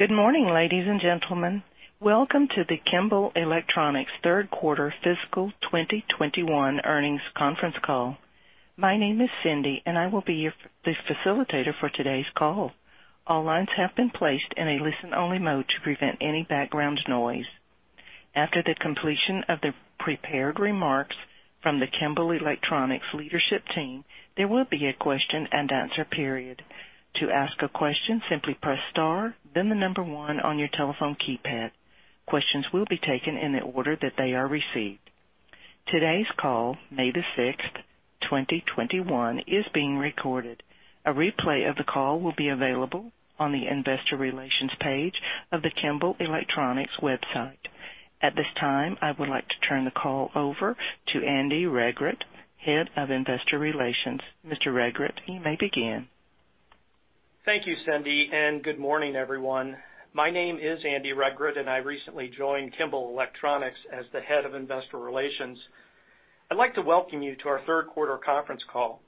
Good morning, ladies and gentlemen. Welcome to the Kimball Electronics Q3 Fiscal 2021 Earnings Conference Call. My name is Cindy, and I will be your facilitator for today's call. All lines have been placed in a listen-only mode to prevent any background noise. After the completion of the prepared remarks from the Kimball Electronics leadership team, there will be a question and answer period. To ask a question, simply press star, then the number one on your telephone keypad. Questions will be taken in the order that they are received. Today's call, May 6, 2021, is being recorded. A replay of the call will be available on the investor relations page of the Kimball Electronics website. At this time, I would like to turn the call over to Andy Regrut, Head of Investor Relations. Mr. Regrut, you may begin. Thank you, Cindy, and good morning, everyone. My name is Andy Regrut, and I recently joined Kimball Electronics as the Head of Investor Relations. I'd like to welcome you to our Q3 Conference Call.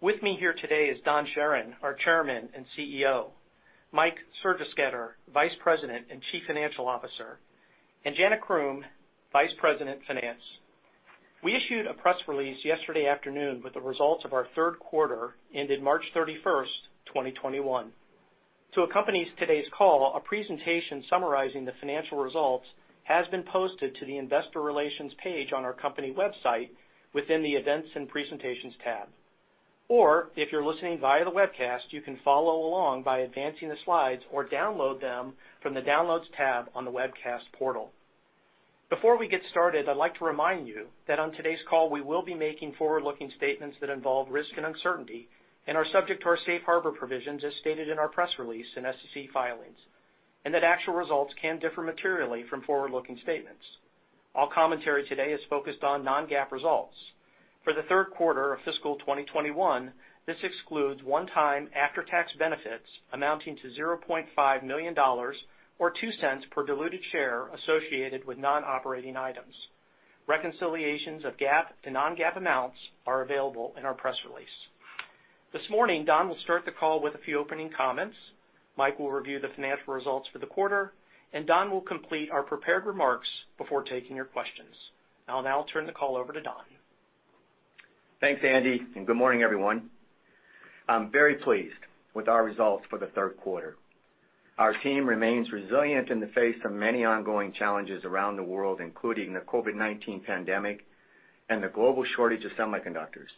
With me here today is Don Charron, our Chairman and Chief Executive Officer, Mike Sergesketter, Vice President and Chief Financial Officer, and Jana Croom, Vice President, Finance. We issued a press release yesterday afternoon with the results of our Q3 ended March 31st, 2021. To accompany today's call, a presentation summarizing the financial results has been posted to the Investor Relations page on our company website within the Events and Presentations tab. If you're listening via the webcast, you can follow along by advancing the slides or download them from the Downloads tab on the webcast portal. Before we get started, I'd like to remind you that on today's call, we will be making forward-looking statements that involve risk and uncertainty and are subject to our safe harbor provisions as stated in our press release and SEC filings, and that actual results can differ materially from forward-looking statements. All commentary today is focused on non-GAAP results. For the Q3 of fiscal 2021, this excludes one-time after-tax benefits amounting to $0.5 million or $0.02 per diluted share associated with non-operating items. Reconciliations of GAAP to non-GAAP amounts are available in our press release. This morning, Don will start the call with a few opening comments. Mike will review the financial results for the quarter, and Don will complete our prepared remarks before taking your questions. I'll now turn the call over to Don. Thanks, Andy Regrut, good morning, everyone. I'm very pleased with our results for the Q3. Our team remains resilient in the face of many ongoing challenges around the world, including the COVID-19 pandemic and the global shortage of semiconductors.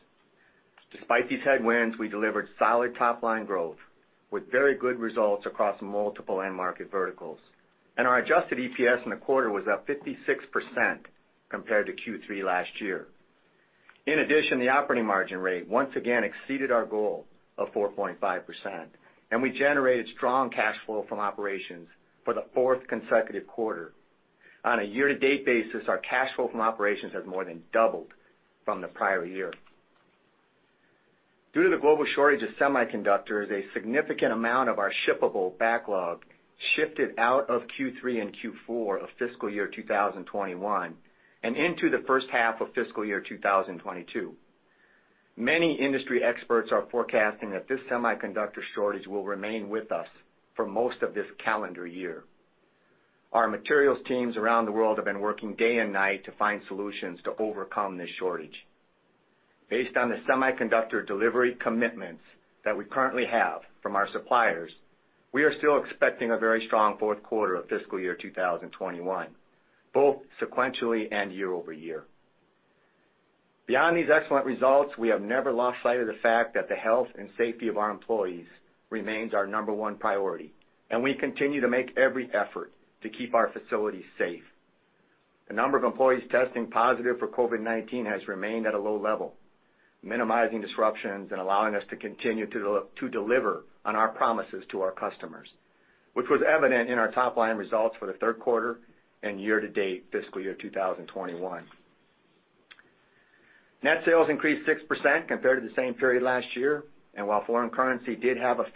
Despite these headwinds, we delivered solid top-line growth with very good results across multiple end market verticals. Our adjusted EPS in the quarter was up 56% compared to Q3 last year. In addition, the operating margin rate once again exceeded our goal of 4.5%, and we generated strong cash flow from operations for the fourth consecutive quarter. On a year-to-date basis, our cash flow from operations has more than doubled from the prior year. Due to the global shortage of semiconductors, a significant amount of our shippable backlog shifted out of Q3 and Q4 of FY 2021 and into the first half of FY 2022. Many industry experts are forecasting that this semiconductor shortage will remain with us for most of this calendar year. Our materials teams around the world have been working day and night to find solutions to overcome this shortage. Based on the semiconductor delivery commitments that we currently have from our suppliers, we are still expecting a very strong Q4 of FY 2021, both sequentially and year-over-year. Beyond these excellent results, we have never lost sight of the fact that the health and safety of our employees remains our number one priority, and we continue to make every effort to keep our facilities safe. The number of employees testing positive for COVID-19 has remained at a low level, minimizing disruptions and allowing us to continue to deliver on our promises to our customers, which was evident in our top-line results for the Q3 and year-to-date FY 2021. Net sales increased 6% compared to the same period last year, and while foreign currency did have a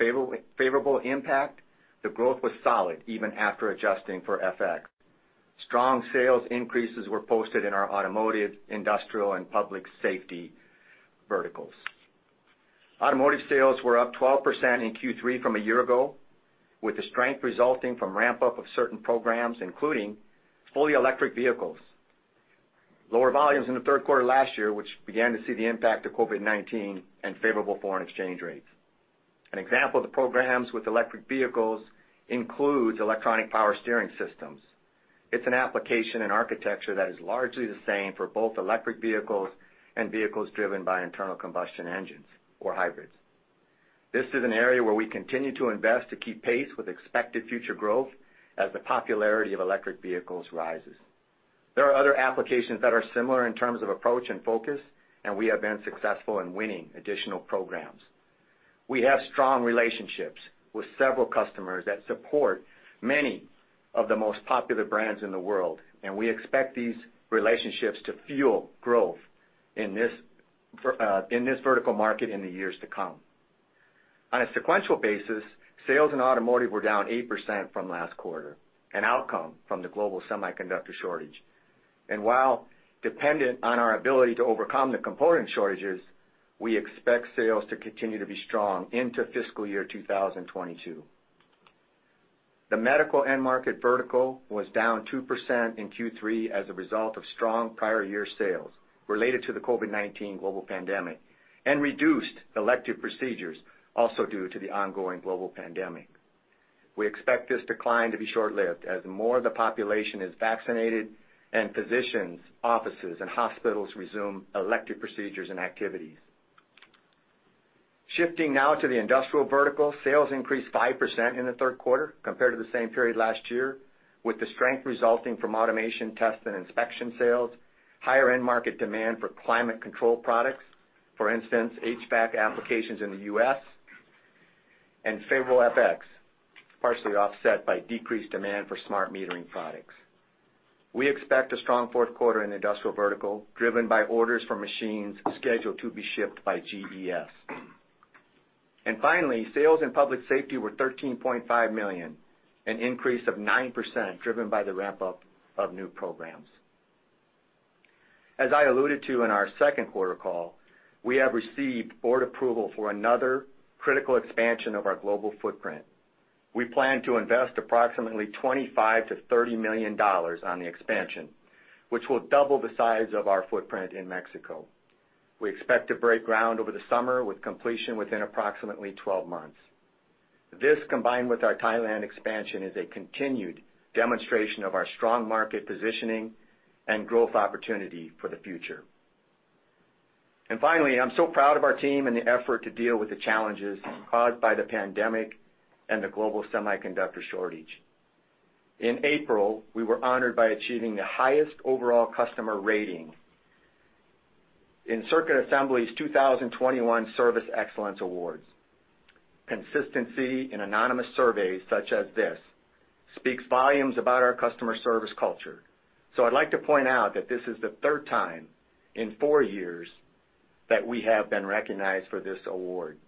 favorable impact, the growth was solid even after adjusting for FX. Strong sales increases were posted in our automotive, industrial, and public safety verticals. Automotive sales were up 12% in Q3 from a year ago, with the strength resulting from ramp-up of certain programs, including fully electric vehicles. Lower volumes in the Q3 last year, which began to see the impact of COVID-19 and favorable foreign exchange rates. An example of the programs with electric vehicles includes electronic power steering systems. It's an application and architecture that is largely the same for both electric vehicles and vehicles driven by internal combustion engines or hybrids. This is an area where we continue to invest to keep pace with expected future growth as the popularity of electric vehicles rises. There are other applications that are similar in terms of approach and focus, and we have been successful in winning additional programs. We have strong relationships with several customers that support many of the most popular brands in the world, and we expect these relationships to fuel growth in this vertical market in the years to come. On a sequential basis, sales in automotive were down 8% from last quarter, an outcome from the global semiconductor shortage. While dependent on our ability to overcome the component shortages, we expect sales to continue to be strong into FY 2022. The medical end market vertical was down 2% in Q3 as a result of strong prior year sales related to the COVID-19 global pandemic, and reduced elective procedures, also due to the ongoing global pandemic. We expect this decline to be short-lived as more of the population is vaccinated and physicians, offices, and hospitals resume elective procedures and activities. Shifting now to the industrial vertical, sales increased 5% in the Q3 compared to the same period last year, with the strength resulting from automation test and inspection sales, higher end market demand for climate control products, for instance, HVAC applications in the U.S., and favorable FX, partially offset by decreased demand for smart metering products. We expect a strong Q4 in industrial vertical, driven by orders for machines scheduled to be shipped by GES. Finally, sales in public safety were $13.5 million, an increase of 9%, driven by the ramp-up of new programs. As I alluded to in our Q2 call, we have received board approval for another critical expansion of our global footprint. We plan to invest approximately $25 million-$30 million on the expansion, which will double the size of our footprint in Mexico. We expect to break ground over the summer with completion within approximately 12 months. This, combined with our Thailand expansion, is a continued demonstration of our strong market positioning and growth opportunity for the future. Finally, I'm so proud of our team and the effort to deal with the challenges caused by the pandemic and the global semiconductor shortage. In April, we were honored by achieving the highest overall customer rating in Circuits Assembly's 2021 Service Excellence Awards. Consistency in anonymous surveys such as this speaks volumes about our customer service culture. I'd like to point out that this is the third time in four years that we have been recognized for this Award.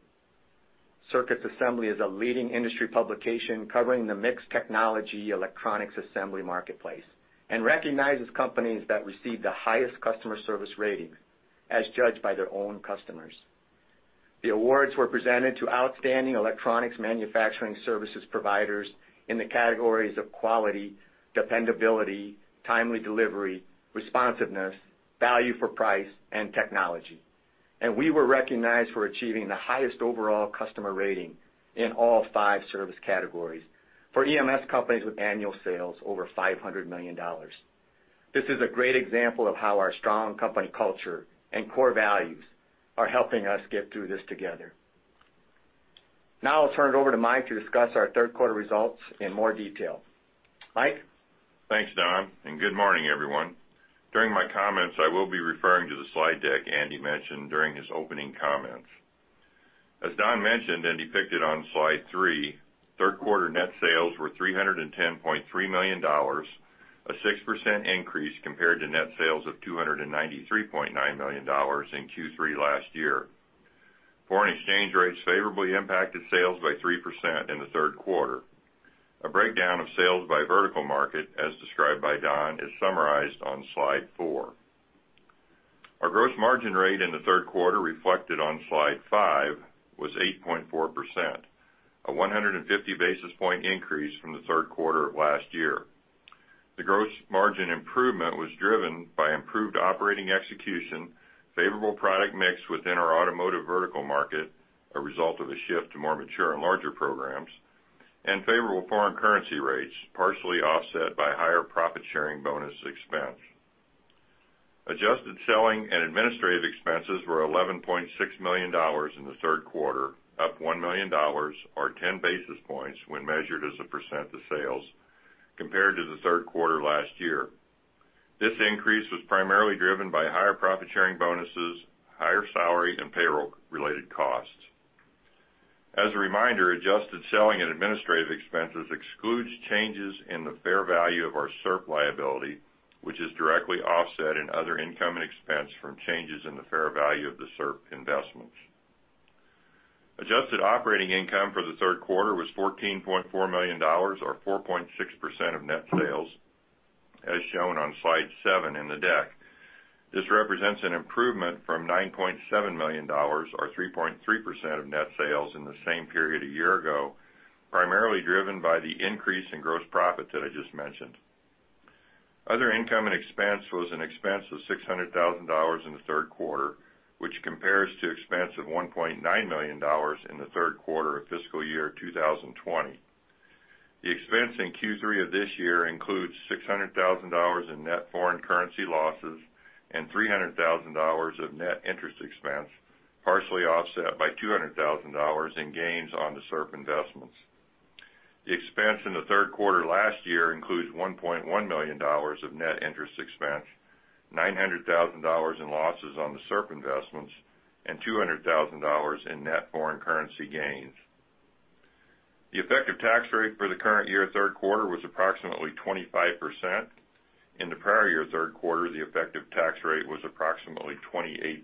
Circuits Assembly is a leading industry publication covering the mixed technology electronics assembly marketplace and recognizes companies that receive the highest customer service rating as judged by their own customers. The Awards were presented to outstanding electronics manufacturing services providers in the categories of quality, dependability, timely delivery, responsiveness, value for price, and technology. We were recognized for achieving the highest overall customer rating in all five service categories for EMS companies with annual sales over $500 million. This is a great example of how our strong company culture and core values are helping us get through this together. Now I'll turn it over to Mike to discuss our Q3 results in more detail. Mike? Thanks, Don. Good morning, everyone. During my comments, I will be referring to the slide deck Andy mentioned during his opening comments. As Don mentioned and depicted on slide three, Q3 net sales were $310.3 million, a 6% increase compared to net sales of $293.9 million in Q3 last year. Foreign exchange rates favorably impacted sales by 3% in the Q3. A breakdown of sales by vertical market, as described by Don, is summarized on slide four. Our gross margin rate in the Q3 reflected on slide five was 8.4%, a 150 basis point increase from the Q3 of last year. The gross margin improvement was driven by improved operating execution, favorable product mix within our automotive vertical market, a result of a shift to more mature and larger programs, and favorable foreign currency rates, partially offset by higher profit sharing bonus expense. Adjusted selling and administrative expenses were $11.6 million in the Q3, up $1 million, or 10 basis points when measured as a % of sales compared to the Q3 last year. This increase was primarily driven by higher profit sharing bonuses, higher salary, and payroll-related costs. As a reminder, adjusted selling and administrative expenses excludes changes in the fair value of our SERP liability, which is directly offset in other income and expense from changes in the fair value of the SERP investments. Adjusted operating income for the Q3 was $14.4 million, or 4.6% of net sales, as shown on slide seven in the deck. This represents an improvement from $9.7 million or 3.3% of net sales in the same period a year ago, primarily driven by the increase in gross profit that I just mentioned. Other income and expense was an expense of $600,000 in the Q3, which compares to expense of $1.9 million in the Q3 of FY 2020. The expense in Q3 of this year includes $600,000 in net foreign currency losses and $300,000 of net interest expense, partially offset by $200,000 in gains on the SERP investments. The expense in the Q3 last year includes $1.1 million of net interest expense, $900,000 in losses on the SERP investments, and $200,000 in net foreign currency gains. The effective tax rate for the current year Q3 was approximately 25%. In the prior year Q3, the effective tax rate was approximately 28%.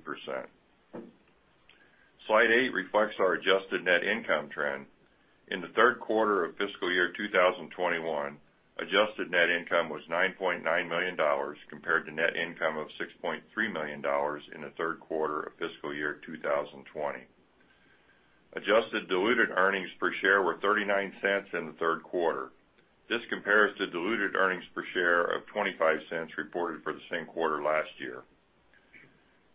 Slide eight reflects our adjusted net income trend. In the Q3 of FY 2021, adjusted net income was $9.9 million, compared to net income of $6.3 million in the Q3 of FY 2020. Adjusted diluted earnings per share were $0.39 in the Q3. This compares to diluted earnings per share of $0.25 reported for the same quarter last year.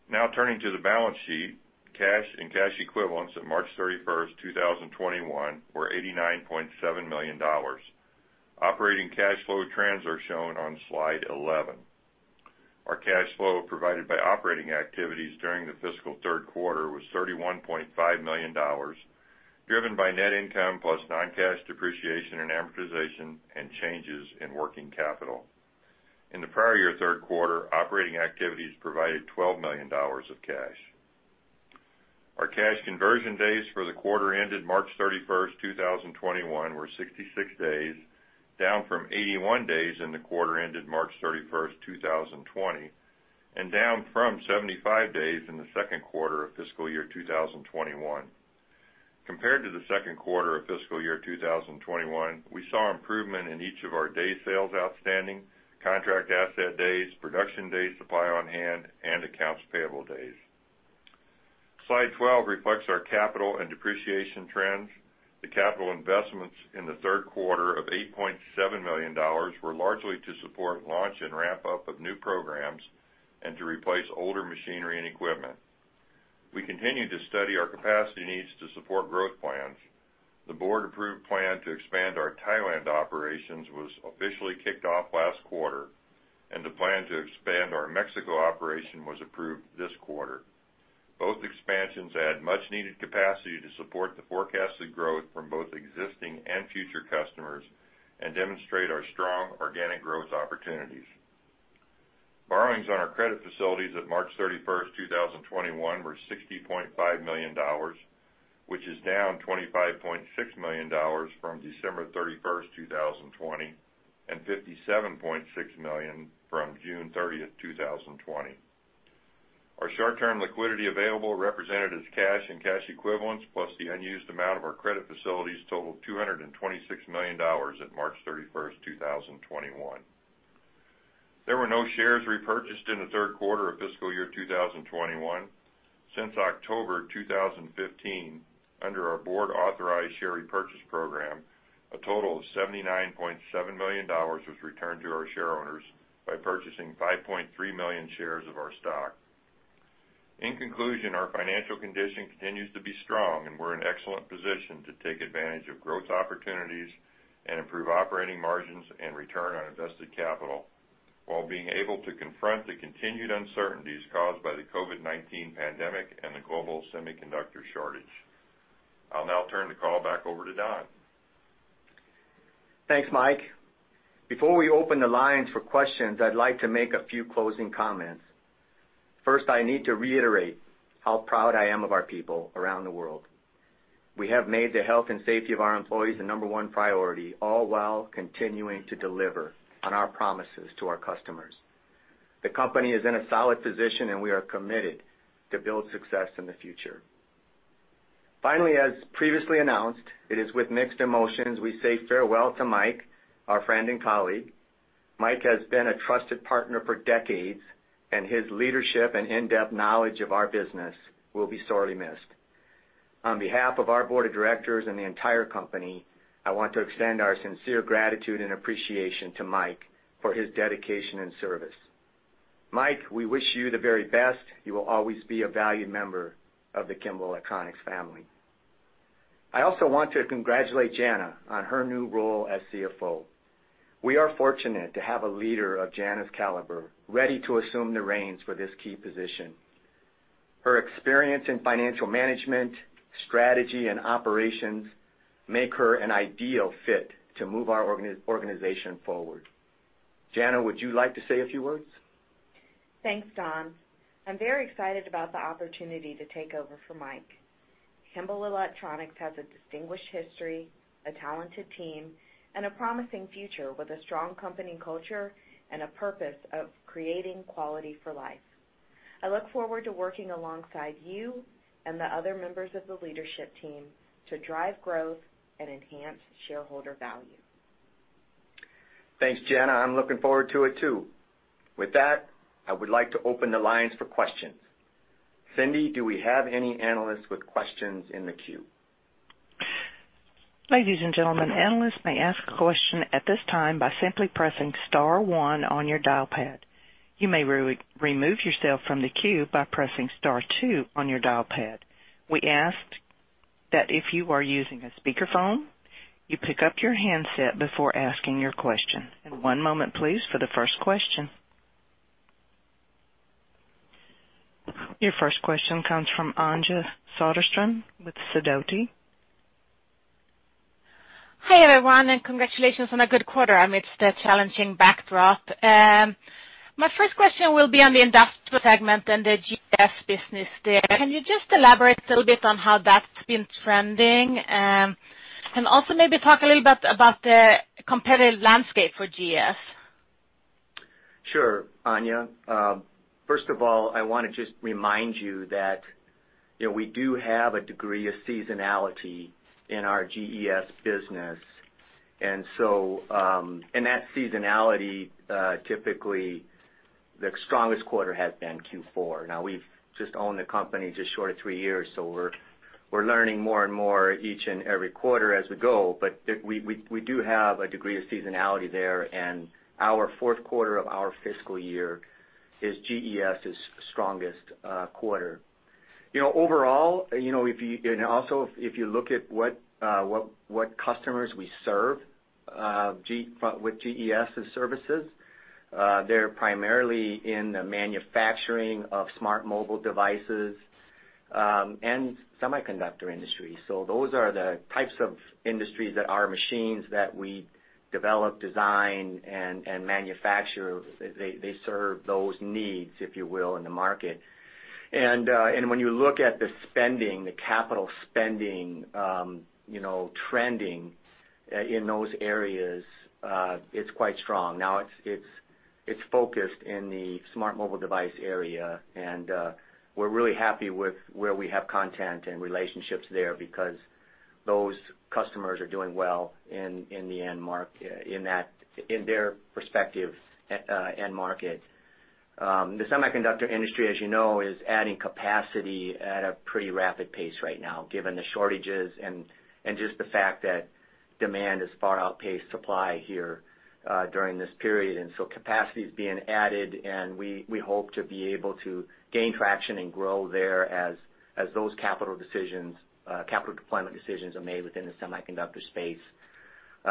Now turning to the balance sheet. Cash and cash equivalents at March 31st, 2021, were $89.7 million. Operating cash flow trends are shown on slide 11. Our cash flow provided by operating activities during the fiscal Q3 was $31.5 million, driven by net income plus non-cash depreciation and amortization and changes in working capital. In the prior year Q3, operating activities provided $12 million of cash. Our cash conversion days for the quarter ended March 31st, 2021, were 66 days, down from 81 days in the quarter ended March 31st, 2020, and down from 75 days in the Q2 of FY 2021. Compared to the Q2 of FY 2021, we saw improvement in each of our day sales outstanding, contract asset days, production days supply on hand, and accounts payable days. Slide 12 reflects our capital and depreciation trends. The capital investments in the Q3 of $8.7 million were largely to support launch and ramp-up of new programs and to replace older machinery and equipment. We continue to study our capacity needs to support growth plans. The board-approved plan to expand our Thailand operations was officially kicked off last quarter, and the plan to expand our Mexico operation was approved this quarter. Both expansions add much needed capacity to support the forecasted growth from both existing and future customers and demonstrate our strong organic growth opportunities. Borrowings on our credit facilities at March 31st, 2021, were $60.5 million, which is down $25.6 million from December 31st, 2020, and $57.6 million from June 30th, 2020. Our short-term liquidity available represented as cash and cash equivalents, plus the unused amount of our credit facilities totaled $226 million at March 31st, 2021. There were no shares repurchased in the Q3 of FY 2021. Since October 2015, under our board authorized share repurchase program, a total of $79.7 million was returned to our shareowners by purchasing 5.3 million shares of our stock. In conclusion, our financial condition continues to be strong, and we're in excellent position to take advantage of growth opportunities and improve operating margins and return on invested capital while being able to confront the continued uncertainties caused by the COVID-19 pandemic and the global semiconductor shortage. I'll now turn the call back over to Don. Thanks, Mike. Before we open the lines for questions, I'd like to make a few closing comments. First, I need to reiterate how proud I am of our people around the world. We have made the health and safety of our employees the number one priority, all while continuing to deliver on our promises to our customers. The company is in a solid position, and we are committed to build success in the future. Finally, as previously announced, it is with mixed emotions we say farewell to Mike, our friend and colleague. Mike has been a trusted partner for decades, and his leadership and in-depth knowledge of our business will be sorely missed. On behalf of our board of directors and the entire company, I want to extend our sincere gratitude and appreciation to Mike for his dedication and service. Mike, we wish you the very best. You will always be a valued member of the Kimball Electronics family. I also want to congratulate Jana on her new role as CFO. We are fortunate to have a leader of Jana's caliber ready to assume the reins for this key position. Her experience in financial management, strategy, and operations make her an ideal fit to move our organization forward. Jana, would you like to say a few words? Thanks, Don. I'm very excited about the opportunity to take over for Mike. Kimball Electronics has a distinguished history, a talented team, and a promising future with a strong company culture and a purpose of creating quality for life. I look forward to working alongside you and the other members of the leadership team to drive growth and enhance shareholder value. Thanks, Jana. I'm looking forward to it, too. With that, I would like to open the lines for questions. Cindy, do we have any analysts with questions in the queue? One moment, please, for the first question. Your first question comes from Anja Soderstrom with Sidoti. Hi, everyone. Congratulations on a good quarter amidst a challenging backdrop. My first question will be on the industrial segment and the GES business there. Can you just elaborate a little bit on how that's been trending? Also maybe talk a little bit about the competitive landscape for GES. Anja. I want to just remind you that we do have a degree of seasonality in our GES business. That seasonality, typically, the strongest quarter has been Q4. We've just owned the company just short of three years, so we're learning more and more each and every quarter as we go. We do have a degree of seasonality there, and our Q4 of our FY is GES' strongest quarter. If you look at what customers we serve with GES' services, they're primarily in the manufacturing of smart mobile devices and semiconductor industry. Those are the types of industries that our machines that we develop, design, and manufacture, they serve those needs, if you will, in the market. When you look at the capital spending trending in those areas, it's quite strong. It's focused in the smart mobile device area, and we're really happy with where we have content and relationships there because those customers are doing well in their respective end market. The semiconductor industry, as you know, is adding capacity at a pretty rapid pace right now, given the shortages and just the fact that demand has far outpaced supply here during this period. Capacity is being added, and we hope to be able to gain traction and grow there as those capital deployment decisions are made within the semiconductor space.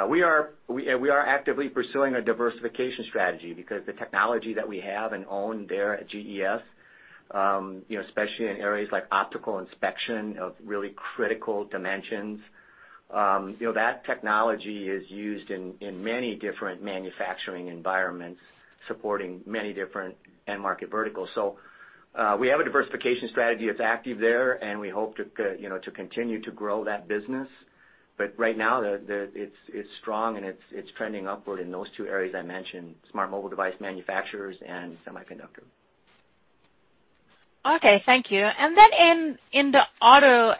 We are actively pursuing a diversification strategy because the technology that we have and own there at GES, especially in areas like optical inspection of really critical dimensions, that technology is used in many different manufacturing environments, supporting many different end market verticals. We have a diversification strategy that's active there, and we hope to continue to grow that business. Right now it's strong and it's trending upward in those two areas I mentioned, smart mobile device manufacturers and semiconductor. Okay. Thank you. In the auto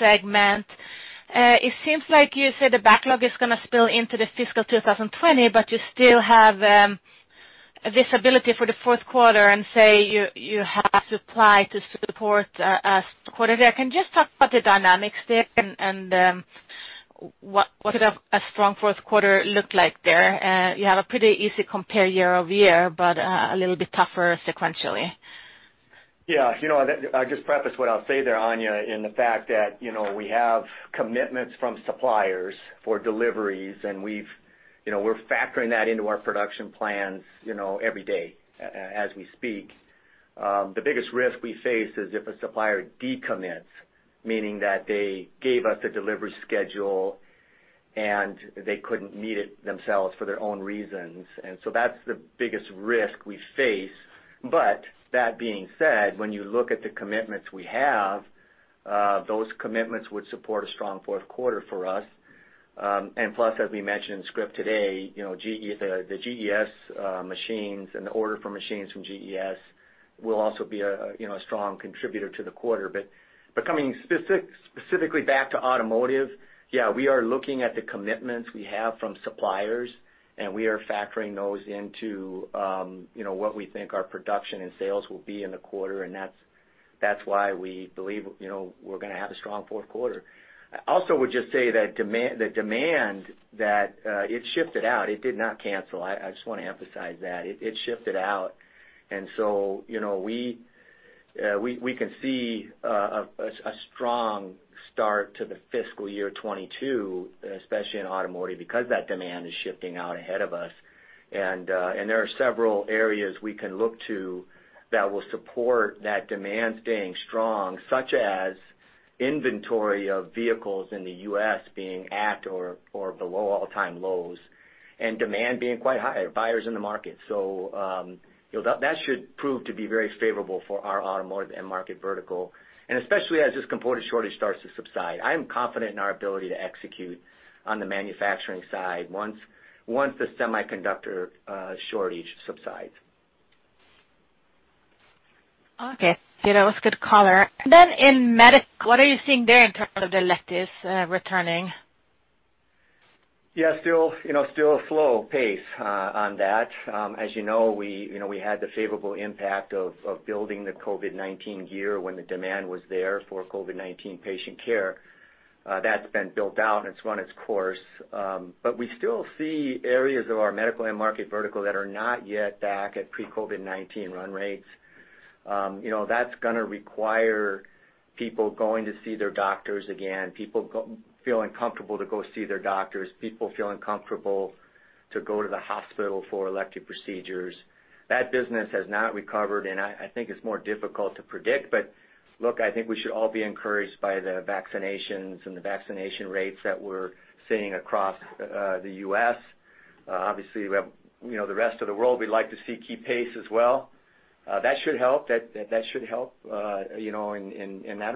segment, it seems like you say the backlog is going to spill into the fiscal 2020, but you still have this ability for the Q4 and say you have supply to support a quarter there. Can you just talk about the dynamics there and what would a strong Q4 look like there? You have a pretty easy compare year-over-year, a little bit tougher sequentially. Yeah. I'll just preface what I'll say there, Anja, in the fact that we have commitments from suppliers for deliveries, we're factoring that into our production plans every day as we speak. The biggest risk we face is if a supplier decommits, meaning that they gave us a delivery schedule and they couldn't meet it themselves for their own reasons. That's the biggest risk we face. That being said, when you look at the commitments we have, those commitments would support a strong Q4 for us. Plus, as we mentioned in script today, the GES machines and the order for machines from GES will also be a strong contributor to the quarter. Coming specifically back to automotive, yeah, we are looking at the commitments we have from suppliers, and we are factoring those into what we think our production and sales will be in the quarter, and that's why we believe we're going to have a strong Q4. I also would just say that demand that it shifted out, it did not cancel. I just want to emphasize that. It shifted out. We can see a strong start to the FY 2022, especially in automotive, because that demand is shifting out ahead of us. There are several areas we can look to that will support that demand staying strong, such as inventory of vehicles in the U.S. being at or below all-time lows and demand being quite high, buyers in the market. That should prove to be very favorable for our automotive end market vertical, and especially as this component shortage starts to subside. I am confident in our ability to execute on the manufacturing side once the semiconductor shortage subsides. That was a good color. In medical, what are you seeing there in terms of electives returning? Yeah, still a slow pace on that. As you know, we had the favorable impact of building the COVID-19 gear when the demand was there for COVID-19 patient care. That's been built out and it's run its course. We still see areas of our medical end market vertical that are not yet back at pre-COVID-19 run rates. That's going to require people going to see their doctors again, people feeling comfortable to go see their doctors, people feeling comfortable to go to the hospital for elective procedures. That business has not recovered, and I think it's more difficult to predict. Look, we should all be encouraged by the vaccinations and the vaccination rates that we're seeing across the U.S. Obviously, we have the rest of the world we'd like to see keep pace as well. That should help. That'll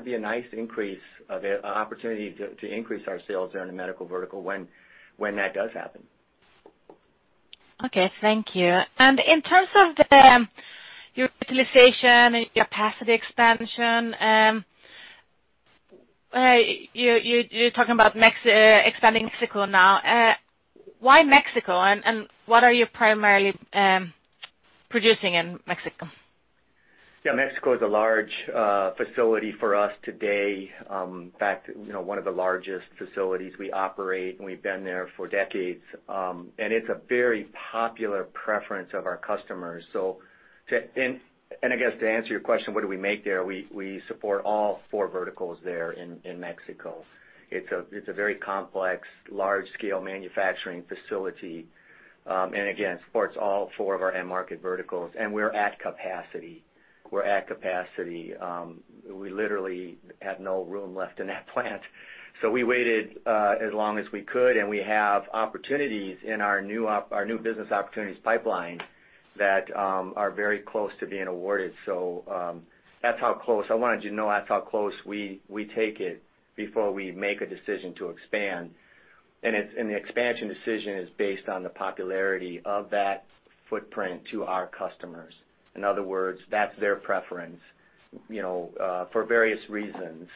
be a nice opportunity to increase our sales there in the medical vertical when that does happen. Okay, thank you. In terms of your utilization and capacity expansion, you're talking about expanding Mexico now. Why Mexico, and what are you primarily producing in Mexico? Yeah, Mexico is a large facility for us today. In fact, one of the largest facilities we operate, and we've been there for decades. It's a very popular preference of our customers. I guess to answer your question, what do we make there? We support all four verticals there in Mexico. It's a very complex, large-scale manufacturing facility. Again, supports all four of our end market verticals, and we're at capacity. We literally have no room left in that plant. We waited as long as we could, and we have opportunities in our new business opportunities pipeline that are very close to being awarded. I wanted you to know that's how close we take it before we make a decision to expand. The expansion decision is based on the popularity of that footprint to our customers. In other words, that's their preference, for various reasons.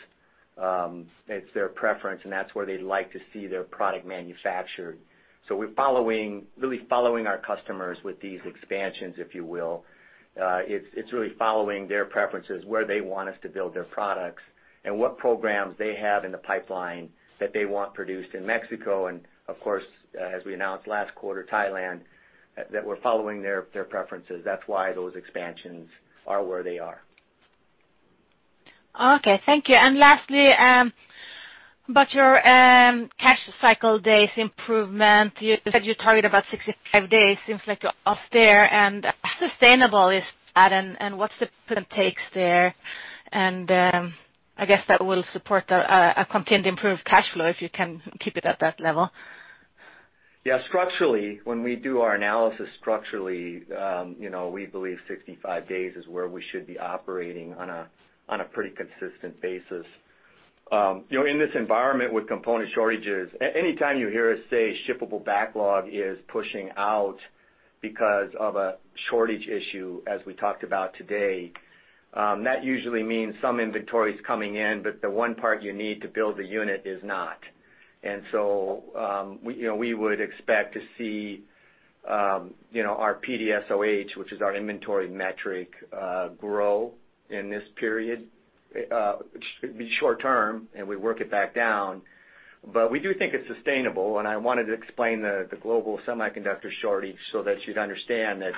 It's their preference, and that's where they'd like to see their product manufactured. We're really following our customers with these expansions, if you will. It's really following their preferences, where they want us to build their products, and what programs they have in the pipeline that they want produced in Mexico, and, of course, as we announced last quarter, Thailand, that we're following their preferences. That's why those expansions are where they are. Okay. Thank you. Lastly, about your cash conversion days improvement, you said you target about 65 days. Seems like you're off there. How sustainable is that, and what's the current takes there? I guess that will support a continued improved cash flow if you can keep it at that level. Yeah. Structurally, when we do our analysis, we believe 65 days is where we should be operating on a pretty consistent basis. In this environment with component shortages, anytime you hear us say shippable backlog is pushing out because of a shortage issue, as we talked about today, that usually means some inventory's coming in, but the one part you need to build the unit is not. We would expect to see our PDSOH, which is our inventory metric, grow in this period. It'd be short-term, and we work it back down. We do think it's sustainable, and I wanted to explain the global semiconductor shortage so that you'd understand that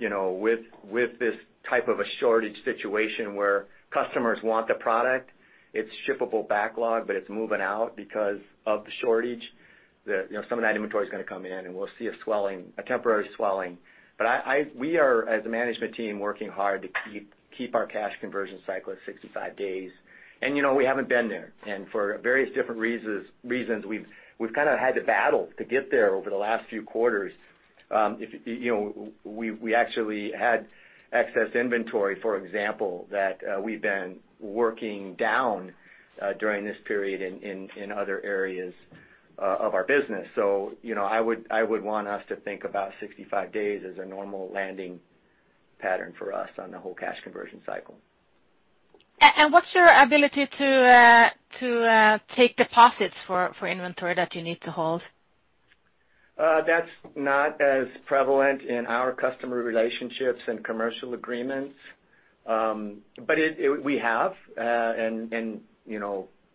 with this type of a shortage situation where customers want the product, it's shippable backlog, but it's moving out because of the shortage. Some of that inventory is going to come in, and we'll see a temporary swelling. We are, as a management team, working hard to keep our cash conversion cycle at 65 days. We haven't been there. For various different reasons, we've kind of had to battle to get there over the last few quarters. We actually had excess inventory, for example, that we've been working down during this period in other areas of our business. I would want us to think about 65 days as a normal landing pattern for us on the whole cash conversion cycle. What's your ability to take deposits for inventory that you need to hold? That's not as prevalent in our customer relationships and commercial agreements. We have, and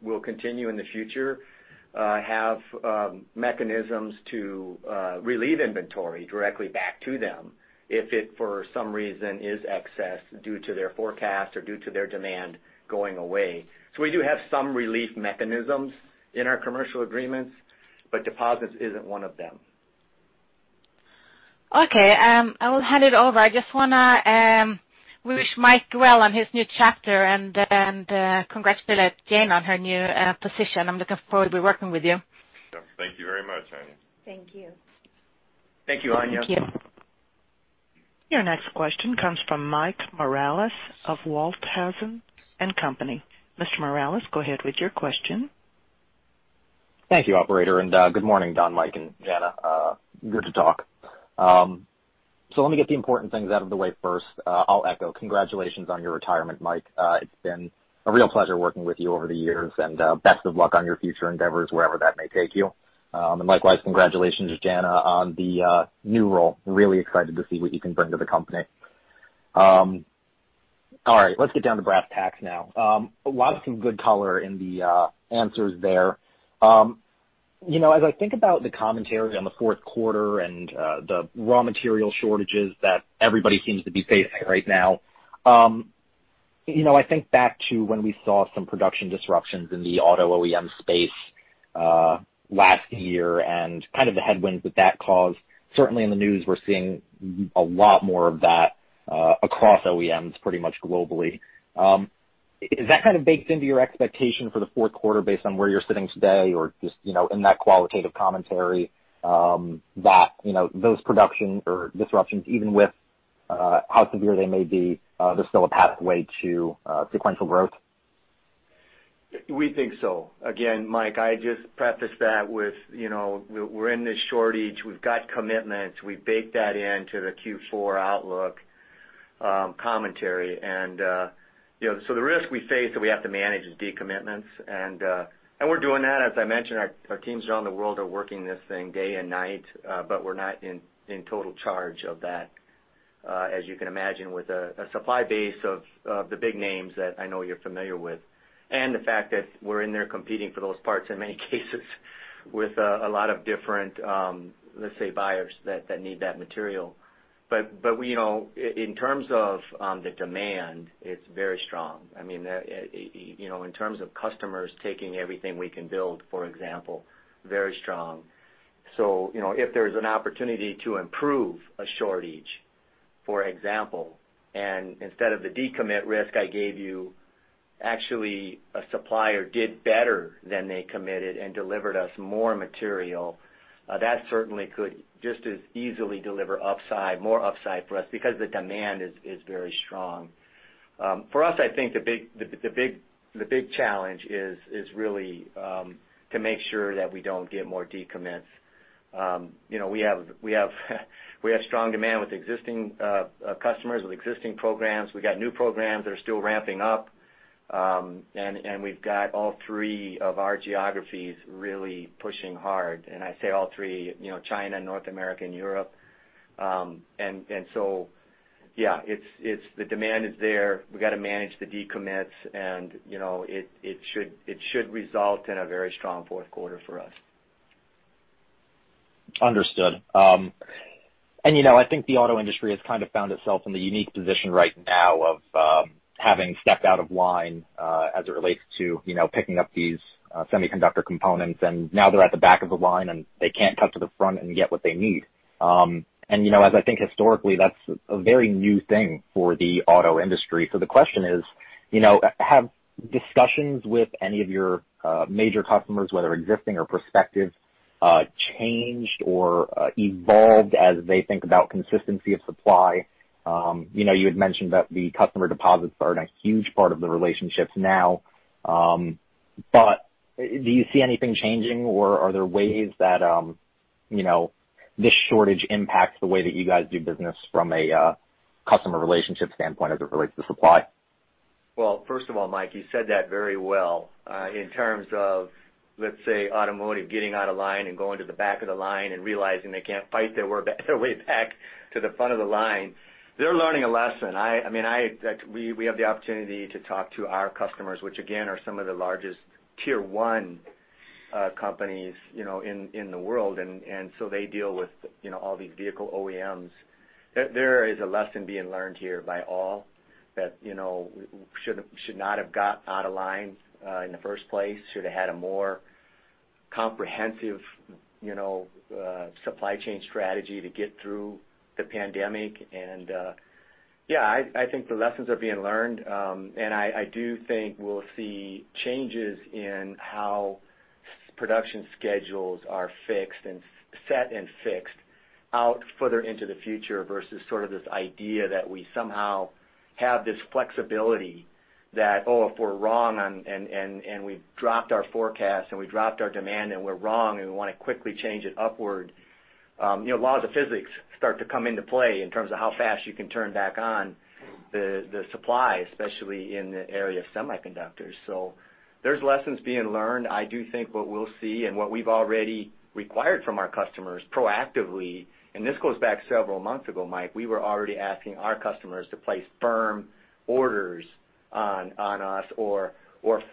will continue in the future, have mechanisms to relieve inventory directly back to them if it, for some reason, is excess due to their forecast or due to their demand going away. We do have some relief mechanisms in our commercial agreements, but deposits isn't one of them. Okay. I will hand it over. I just want to wish Mike well on his new chapter and congratulate Jana on her new position. I'm looking forward to working with you. Yeah. Thank you very much, Anja. Thank you. Thank you, Anja. Thank you. Your next question comes from Mike Morales of Walthausen & Co. Mr. Morales, go ahead with your question. Thank you, operator. Good morning, Don, Mike, and Jana. Good to talk. Let me get the important things out of the way first. I'll echo congratulations on your retirement, Mike. It's been a real pleasure working with you over the years, and best of luck on your future endeavors, wherever that may take you. Likewise, congratulations, Jana, on the new role. Really excited to see what you can bring to the company. All right. Let's get down to brass tacks now. A lot of some good color in the answers there. As I think about the commentary on the Q4 and the raw material shortages that everybody seems to be facing right now. I think back to when we saw some production disruptions in the auto OEM space last year and kind of the headwinds that that caused. Certainly in the news, we're seeing a lot more of that across OEMs pretty much globally. Is that kind of baked into your expectation for the Q4 based on where you're sitting today, or just in that qualitative commentary, that those production or disruptions, even with how severe they may be, there's still a pathway to sequential growth? We think so. Again, Mike, I just preface that with, we're in this shortage. We've got commitments. We've baked that into the Q4 outlook commentary. The risk we face that we have to manage is decommitments, and we're doing that. As I mentioned, our teams around the world are working this thing day and night. We're not in total charge of that. As you can imagine, with a supply base of the big names that I know you're familiar with, and the fact that we're in there competing for those parts in many cases with a lot of different, let's say, buyers that need that material. In terms of the demand, it's very strong. In terms of customers taking everything we can build, for example, very strong. If there's an opportunity to improve a shortage, for example, and instead of the decommit risk I gave you, actually a supplier did better than they committed and delivered us more material, that certainly could just as easily deliver more upside for us because the demand is very strong. For us, I think the big challenge is really to make sure that we don't get more decommits. We have strong demand with existing customers, with existing programs. We got new programs that are still ramping up. We've got all three of our geographies really pushing hard. I say all three, China, North America, and Europe. Yeah, the demand is there. We got to manage the decommits, and it should result in a very strong Q4 for us. Understood. I think the auto industry has kind of found itself in the unique position right now of having stepped out of line as it relates to picking up these semiconductor components, and now they're at the back of the line, and they can't cut to the front and get what they need. As I think historically, that's a very new thing for the auto industry. The question is, have discussions with any of your major customers, whether existing or prospective, changed or evolved as they think about consistency of supply? You had mentioned that the customer deposits aren't a huge part of the relationships now. Do you see anything changing, or are there ways that this shortage impacts the way that you guys do business from a customer relationship standpoint as it relates to supply? Well, first of all, Mike, you said that very well. In terms of, let's say, automotive getting out of line and going to the back of the line and realizing they can't fight their way back to the front of the line. They're learning a lesson. We have the opportunity to talk to our customers, which again, are some of the largest tier one companies in the world, and so they deal with all these vehicle OEMs. There is a lesson being learned here by all that we should not have got out of line in the first place, should've had a more comprehensive supply chain strategy to get through the pandemic. Yeah, I think the lessons are being learned. I do think we'll see changes in how production schedules are set and fixed out further into the future versus sort of this idea that we somehow have this flexibility that, oh, if we're wrong and we've dropped our forecast and we dropped our demand and we're wrong and we want to quickly change it upward, laws of physics start to come into play in terms of how fast you can turn back on the supply, especially in the area of semiconductors. There's lessons being learned. I do think what we'll see and what we've already required from our customers proactively, and this goes back several months ago, Mike, we were already asking our customers to place firm orders on us or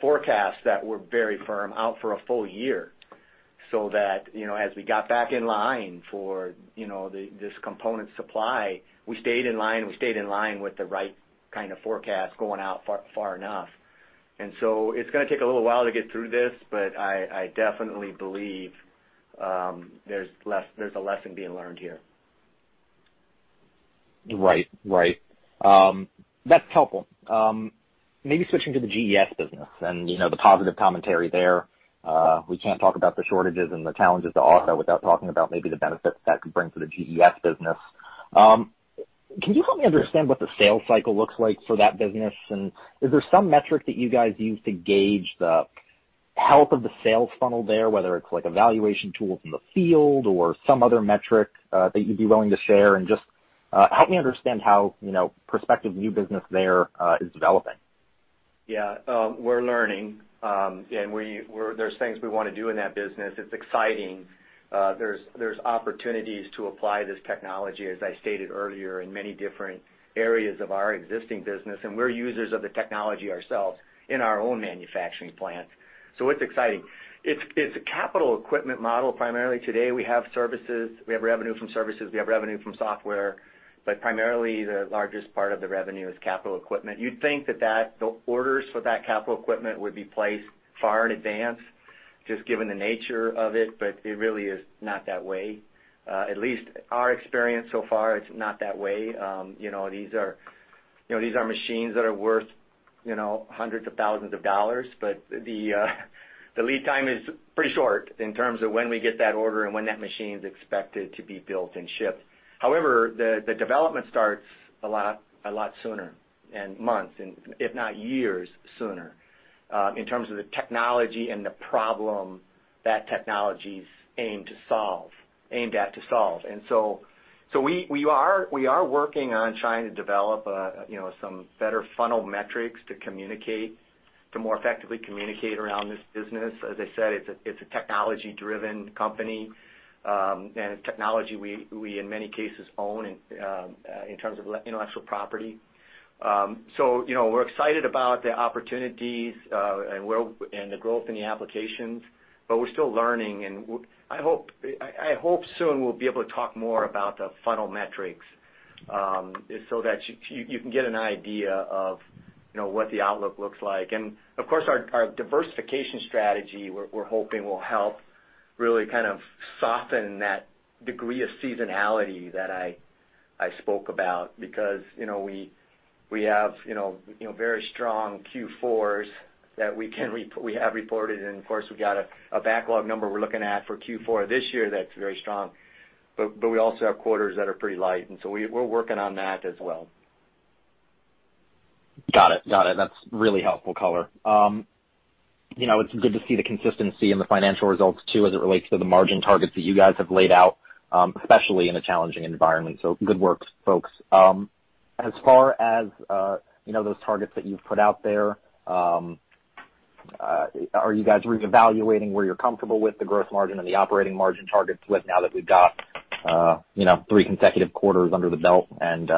forecasts that were very firm out for a full year, so that as we got back in line for this component supply, we stayed in line with the right kind of forecast going out far enough. It's going to take a little while to get through this, but I definitely believe there's a lesson being learned here. Right. That's helpful. Maybe switching to the GES business and the positive commentary there. We can't talk about the shortages and the challenges to auto without talking about maybe the benefits that could bring to the GES business. Can you help me understand what the sales cycle looks like for that business? And is there some metric that you guys use to gauge the health of the sales funnel there, whether it's like a valuation tool from the field or some other metric that you'd be willing to share? And just help me understand how prospective new business there is developing. Yeah. We're learning. There's things we want to do in that business. It's exciting. There's opportunities to apply this technology, as I stated earlier, in many different areas of our existing business, and we're users of the technology ourselves in our own manufacturing plant. It's exciting. It's a capital equipment model primarily today. We have services. We have revenue from services. We have revenue from software. Primarily, the largest part of the revenue is capital equipment. You'd think that the orders for that capital equipment would be placed far in advance. Just given the nature of it, but it really is not that way. At least our experience so far, it's not that way. These are machines that are worth hundreds of thousands of dollars, but the lead time is pretty short in terms of when we get that order and when that machine's expected to be built and shipped. However, the development starts a lot sooner, in months if not years sooner, in terms of the technology and the problem that technology's aimed at to solve. We are working on trying to develop some better funnel metrics to more effectively communicate around this business. As I said, it's a technology-driven company, and it's technology we, in many cases, own in terms of intellectual property. So we're excited about the opportunities and the growth in the applications, but we're still learning, and I hope soon we'll be able to talk more about the funnel metrics so that you can get an idea of what the outlook looks like. Of course, our diversification strategy we're hoping will help really soften that degree of seasonality that I spoke about because we have very strong Q4s that we have reported. Of course, we've got a backlog number we're looking at for Q4 this year that's very strong. We also have quarters that are pretty light, and so we're working on that as well. Got it. That's really helpful color. It's good to see the consistency in the financial results too, as it relates to the margin targets that you guys have laid out, especially in a challenging environment. Good work, folks. As far as those targets that you've put out there, are you guys reevaluating where you're comfortable with the gross margin and the operating margin targets now that we've got three consecutive quarters under the belt and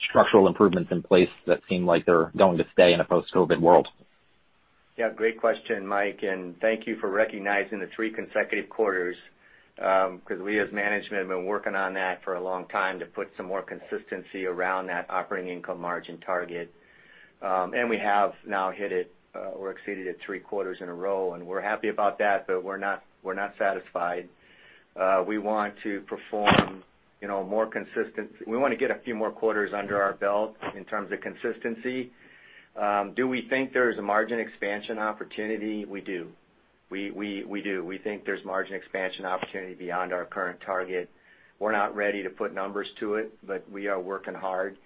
structural improvements in place that seem like they're going to stay in a post-COVID world? Yeah. Great question, Mike, and thank you for recognizing the three consecutive quarters. We, as management, have been working on that for a long time to put some more consistency around that operating income margin target. We have now hit it or exceeded it three quarters in a row, and we're happy about that, but we're not satisfied. We want to get a few more quarters under our belt in terms of consistency. Do we think there's a margin expansion opportunity? We do. We think there's margin expansion opportunity beyond our current target. We're not ready to put numbers to it, but we are working hard.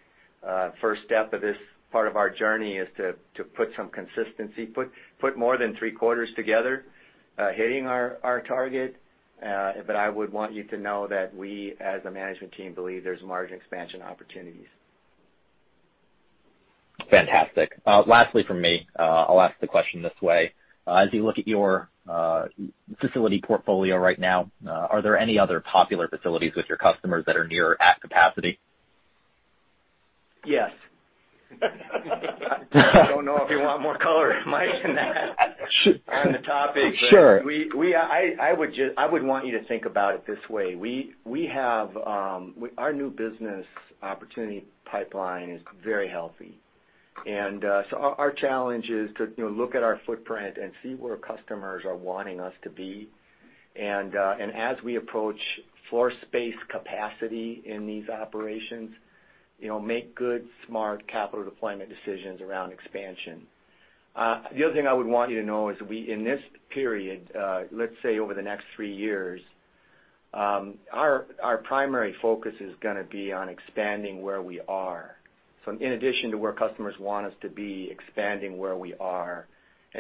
First step of this part of our journey is to put some consistency, put more than three quarters together hitting our target. I would want you to know that we, as a management team, believe there's margin expansion opportunities. Fantastic. Lastly from me, I'll ask the question this way. As you look at your facility portfolio right now, are there any other popular facilities with your customers that are near or at capacity? Yes. I don't know if you want more color than Mike in that on the topic. Sure. I would want you to think about it this way. Our new business opportunity pipeline is very healthy. Our challenge is to look at our footprint and see where customers are wanting us to be. As we approach floor space capacity in these operations, make good, smart capital deployment decisions around expansion. The other thing I would want you to know is in this period, let's say over the next three years, our primary focus is going to be on expanding where we are. In addition to where customers want us to be, expanding where we are.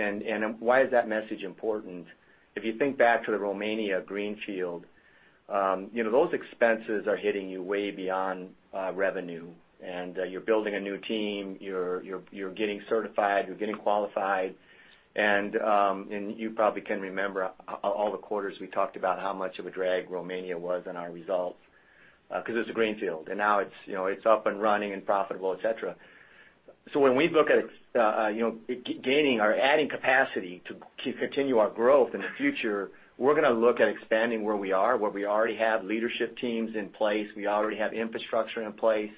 Why is that message important? If you think back to the Romania greenfield, those expenses are hitting you way beyond revenue, and you're building a new team. You're getting certified, you're getting qualified. You probably can remember all the quarters we talked about how much of a drag Romania was in our results because it's a greenfield, and now it's up and running and profitable, et cetera. When we look at gaining or adding capacity to continue our growth in the future, we're going to look at expanding where we are, where we already have leadership teams in place, we already have infrastructure in place.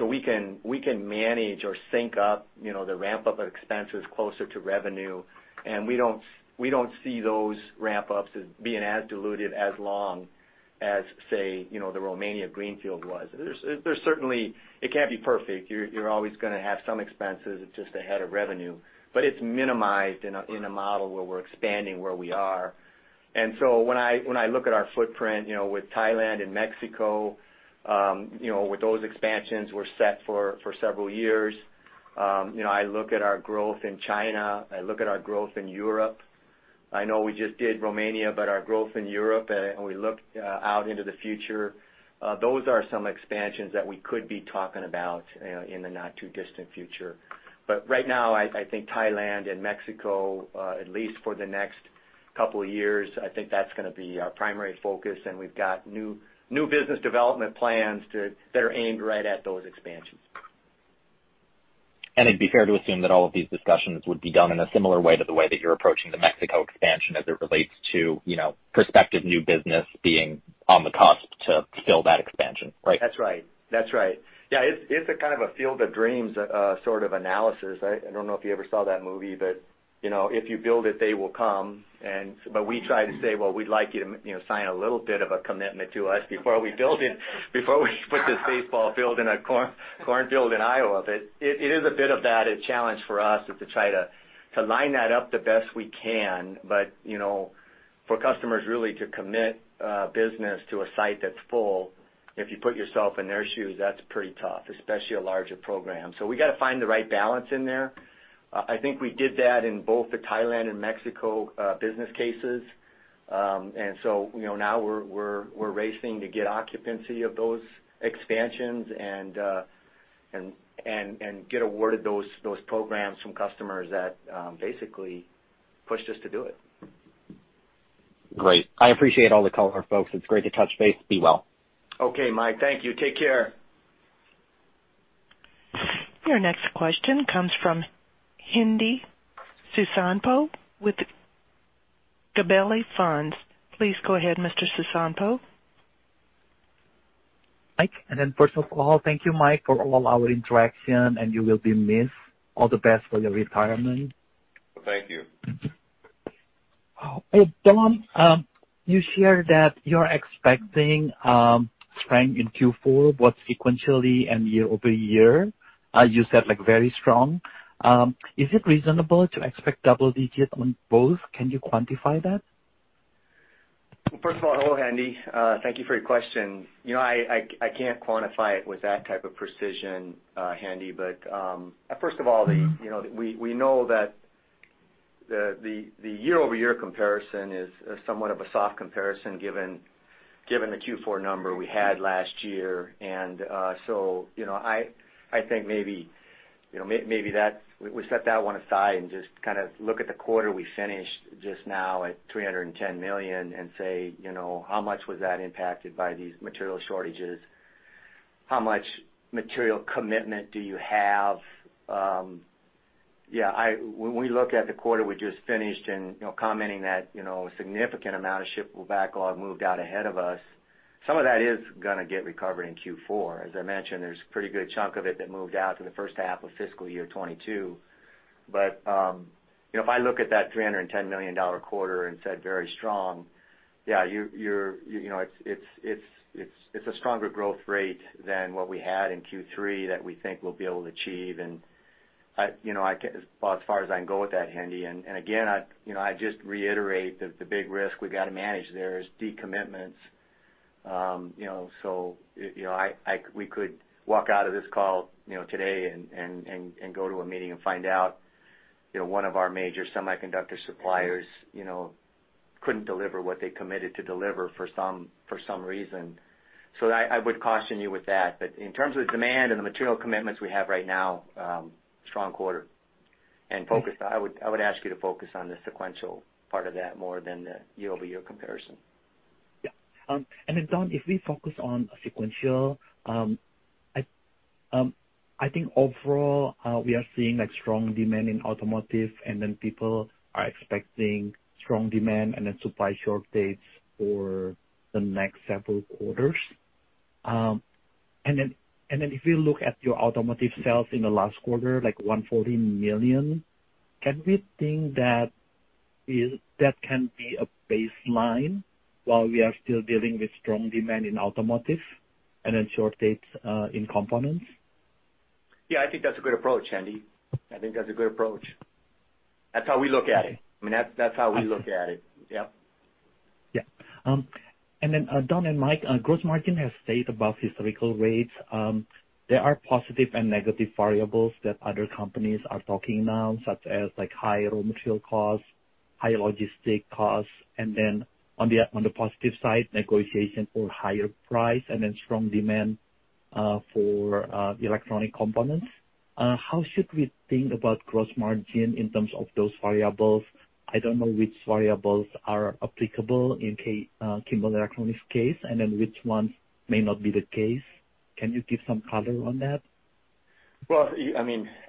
We can manage or sync up the ramp-up of expenses closer to revenue. We don't see those ramp-ups as being as diluted as long as, say, the Romania greenfield was. It can't be perfect. You're always going to have some expenses just ahead of revenue, but it's minimized in a model where we're expanding where we are. When I look at our footprint with Thailand and Mexico, with those expansions, we're set for several years. I look at our growth in China, I look at our growth in Europe. I know we just did Romania, but our growth in Europe, and we look out into the future. Those are some expansions that we could be talking about in the not-too-distant future. Right now, I think Thailand and Mexico, at least for the next couple of years, I think that's going to be our primary focus, and we've got new business development plans that are aimed right at those expansions. It'd be fair to assume that all of these discussions would be done in a similar way to the way that you're approaching the Mexico expansion as it relates to prospective new business being on the cusp to fill that expansion, right? That's right. Yeah, it's a kind of a "Field of Dreams" sort of analysis. I don't know if you ever saw that movie, if you build it, they will come. We try to say, "Well, we'd like you to sign a little bit of a commitment to us before we build it, before we put this baseball field in a corn field in Iowa." It is a bit of that challenge for us, is to try to line that up the best we can. For customers really to commit business to a site that's full, if you put yourself in their shoes, that's pretty tough, especially a larger program. We got to find the right balance in there. I think we did that in both the Thailand and Mexico business cases. Now we're racing to get occupancy of those expansions and get awarded those programs from customers that basically pushed us to do it. Great. I appreciate all the color, folks. It's great to touch base. Be well. Okay, Mike. Thank you. Take care. Your next question comes from Hendi Susanto with Gabelli Funds. Please go ahead, Mr. Susanto. Mike, first of all, thank you, Mike, for all our interaction, and you will be missed. All the best for your retirement. Thank you. Hey, Don. You shared that you're expecting strength in Q4, both sequentially and year-over-year. You said, like, very strong. Is it reasonable to expect double digits on both? Can you quantify that? First of all, hello, Hendi. Thank you for your question. I can't quantify it with that type of precision, Hendi, but, first of all we know that the year-over-year comparison is somewhat of a soft comparison given the Q4 number we had last year. I think maybe we set that one aside and just kind of look at the quarter we finished just now at $310 million and say, how much was that impacted by these material shortages? How much material commitment do you have? Yeah, when we look at the quarter we just finished and commenting that a significant amount of shippable backlog moved out ahead of us, some of that is gonna get recovered in Q4. As I mentioned, there's a pretty good chunk of it that moved out to the first half of FY 2022. If I look at that $310 million quarter and said very strong, yeah, it's a stronger growth rate than what we had in Q3 that we think we'll be able to achieve. As far as I can go with that, Hendi, again, I just reiterate the big risk we've got to manage there is decommitments. We could walk out of this call today and go to a meeting and find out one of our major semiconductor suppliers couldn't deliver what they committed to deliver for some reason. I would caution you with that. In terms of the demand and the material commitments we have right now, strong quarter. I would ask you to focus on the sequential part of that more than the year-over-year comparison. Yeah. Don, if we focus on sequential, I think overall, we are seeing strong demand in automotive, people are expecting strong demand and then supply short dates for the next several quarters. If we look at your automotive sales in the last quarter, like $140 million, can we think that can be a baseline while we are still dealing with strong demand in automotive and then short dates in components? Yeah, I think that's a good approach, Hendi. I think that's a good approach. That's how we look at it. I mean, that's how we look at it. Yeah. Then Don and Mike, gross margin has stayed above historical rates. There are positive and negative variables that other companies are talking now, such as higher raw material costs, higher logistic costs, then on the positive side, negotiation for higher price then strong demand for electronic components. How should we think about gross margin in terms of those variables? I don't know which variables are applicable in Kimball Electronics' case, then which ones may not be the case. Can you give some color on that? Well,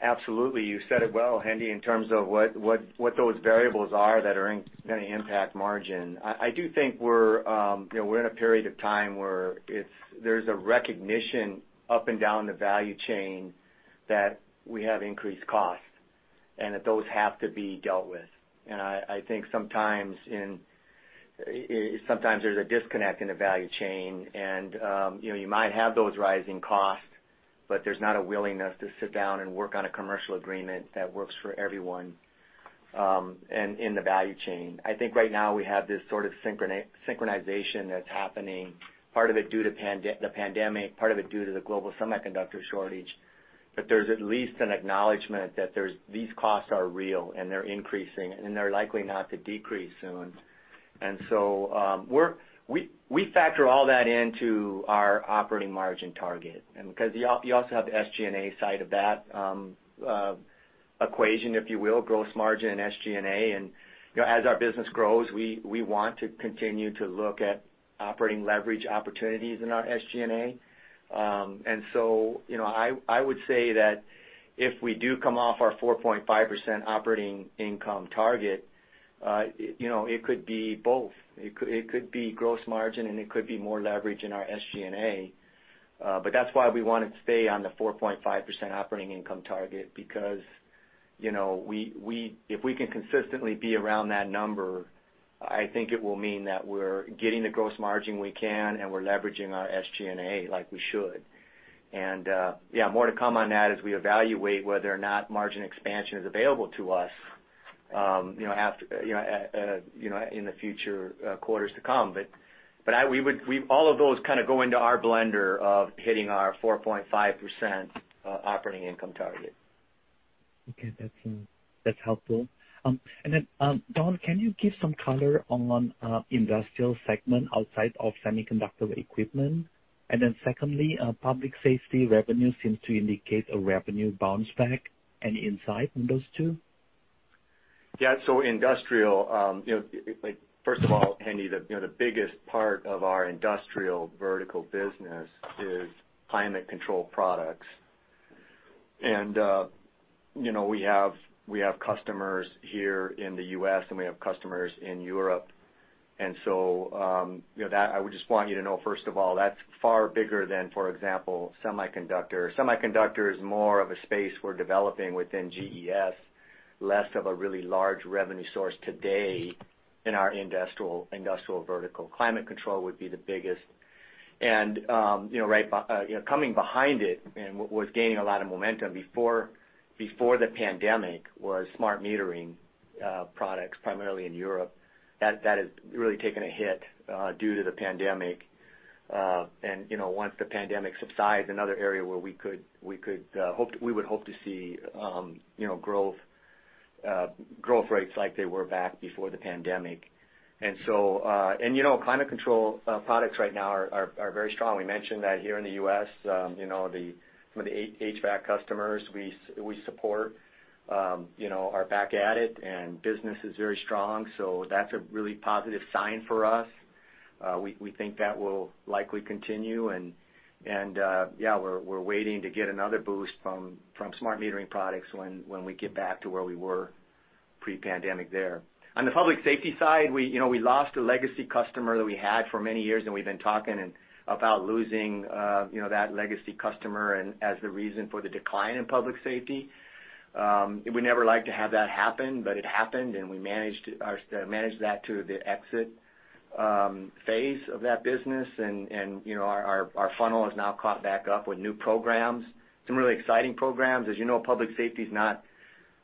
absolutely. You said it well, Hendi, in terms of what those variables are that are gonna impact margin. I do think we're in a period of time where there's a recognition up and down the value chain that we have increased costs and that those have to be dealt with. I think sometimes there's a disconnect in the value chain, and you might have those rising costs, but there's not a willingness to sit down and work on a commercial agreement that works for everyone in the value chain. I think right now we have this sort of synchronization that's happening, part of it due to the pandemic, part of it due to the global semiconductor shortage. There's at least an acknowledgment that these costs are real and they're increasing, and they're likely not to decrease soon. We factor all that into our operating margin target. Because you also have the SG&A side of that equation, if you will, gross margin and SG&A. As our business grows, we want to continue to look at operating leverage opportunities in our SG&A. I would say that if we do come off our 4.5% operating income target, it could be both. It could be gross margin and it could be more leverage in our SG&A. That's why we want to stay on the 4.5% operating income target because if we can consistently be around that number, I think it will mean that we're getting the gross margin we can and we're leveraging our SG&A like we should. More to come on that as we evaluate whether or not margin expansion is available to us in the future quarters to come. All of those kind of go into our blender of hitting our 4.5% operating income target. Okay. That's helpful. Don, can you give some color on industrial segment outside of semiconductor equipment? Secondly, public safety revenue seems to indicate a revenue bounce back. Any insight on those two? Industrial, first of all, Hendi, the biggest part of our industrial vertical business is climate control products. We have customers here in the U.S. and we have customers in Europe, I would just want you to know, first of all, that's far bigger than, for example, semiconductor. Semiconductor is more of a space we're developing within GES, less of a really large revenue source today in our industrial vertical. Climate control would be the biggest. Coming behind it and what was gaining a lot of momentum before the pandemic was smart metering products, primarily in Europe. That has really taken a hit due to the pandemic. Once the pandemic subsides, another area where we would hope to see growth rates like they were back before the pandemic. Climate control products right now are very strong. We mentioned that here in the U.S. some of the HVAC customers we support are back at it and business is very strong. That's a really positive sign for us. We think that will likely continue. We're waiting to get another boost from smart metering products when we get back to where we were pre-pandemic there. On the public safety side, we lost a legacy customer that we had for many years, and we've been talking about losing that legacy customer and as the reason for the decline in public safety. We never like to have that happen, but it happened, and we managed that to the exit phase of that business. Our funnel has now caught back up with new programs, some really exciting programs. As you know, public safety is not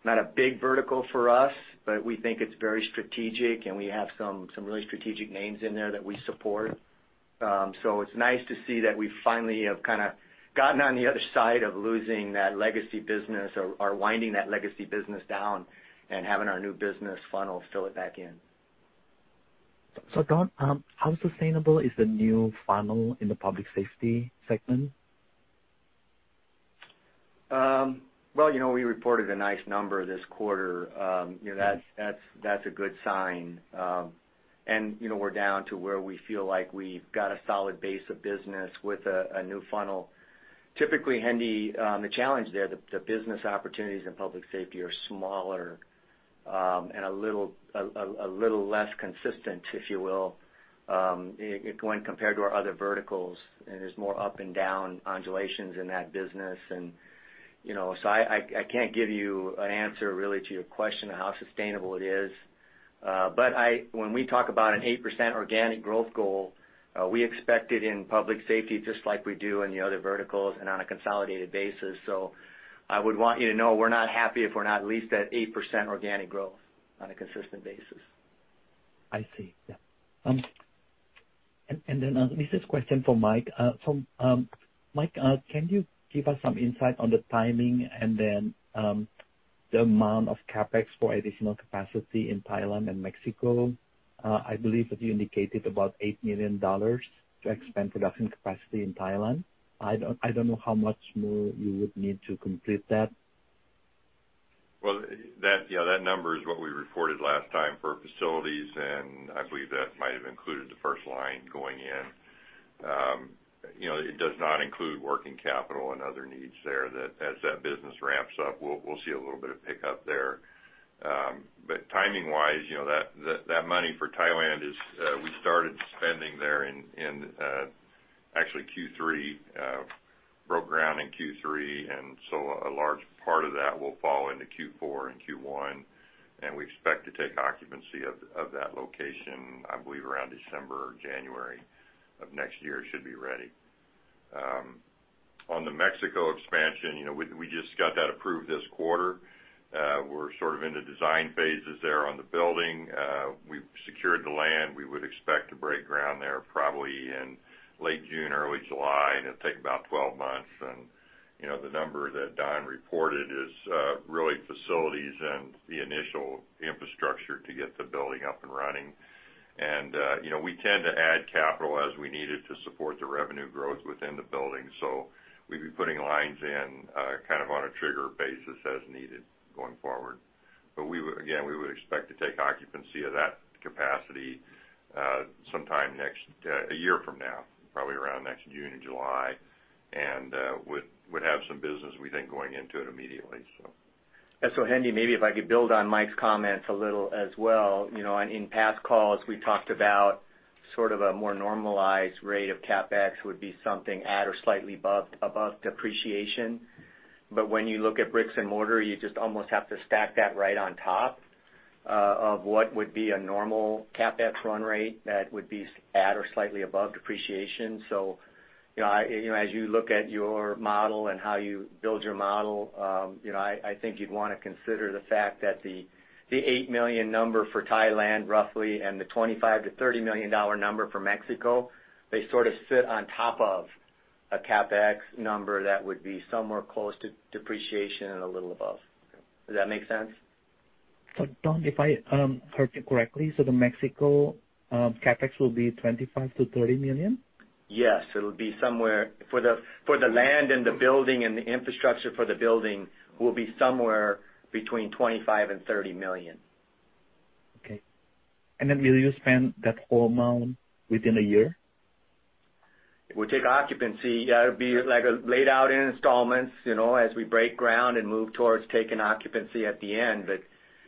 a big vertical for us, but we think it's very strategic and we have some really strategic names in there that we support. It's nice to see that we finally have kind of gotten on the other side of losing that legacy business or winding that legacy business down and having our new business funnel fill it back in. Don, how sustainable is the new funnel in the public safety segment? Well, we reported a nice number this quarter. That's a good sign. We're down to where we feel like we've got a solid base of business with a new funnel. Typically, Hendi, the challenge there, the business opportunities in public safety are smaller and a little less consistent, if you will, when compared to our other verticals, and there's more up and down undulations in that business. I can't give you an answer really to your question of how sustainable it is. When we talk about an 8% organic growth goal, we expect it in public safety just like we do in the other verticals and on a consolidated basis. I would want you to know we're not happy if we're not at least at 8% organic growth on a consistent basis. I see. Yeah. This is a question for Mike. Mike, can you give us some insight on the timing and then the amount of CapEx for additional capacity in Thailand and Mexico? I believe that you indicated about $8 million to expand production capacity in Thailand. I don't know how much more you would need to complete that. That number is what we reported last time for facilities, and I believe that might have included the first line going in. It does not include working capital and other needs there that as that business ramps up, we'll see a little bit of pickup there. Timing-wise, that money for Thailand is, we started spending there in actually Q3, broke ground in Q3, a large part of that will fall into Q4 and Q1, and we expect to take occupancy of that location, I believe around December or January of next year it should be ready. On the Mexico expansion, we just got that approved this quarter. We're sort of in the design phases there on the building. We've secured the land. We would expect to break ground there probably in late June, early July, and it'll take about 12 months. The number that Don reported is really facilities and the initial infrastructure to get the building up and running. We tend to add capital as we need it to support the revenue growth within the building. We'd be putting lines in kind of on a trigger basis as needed going forward. Again, we would expect to take occupancy of that capacity a year from now, probably around next June or July, and would have some business, we think, going into it immediately. Hendi, maybe if I could build on Mike's comments a little as well. In past calls, we talked about sort of a more normalized rate of CapEx would be something at or slightly above depreciation. When you look at bricks and mortar, you just almost have to stack that right on top of what would be a normal CapEx run rate that would be at or slightly above depreciation. As you look at your model and how you build your model, I think you'd want to consider the fact that the $8 million number for Thailand roughly, and the $25 million to $30 million number for Mexico, they sort of sit on top of a CapEx number that would be somewhere close to depreciation and a little above. Does that make sense? Don, if I heard you correctly, the Mexico CapEx will be $25 million-$30 million? Yes. For the land and the building and the infrastructure for the building, will be somewhere between $25 million and $30 million. Okay. Then will you spend that whole amount within a year? We'll take occupancy. Yeah, it'll be laid out in installments as we break ground and move towards taking occupancy at the end.